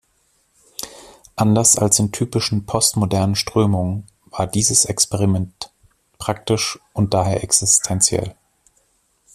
Anders als in typischen postmodernen Strömungen war dieses Experiment praktisch und daher existentiell.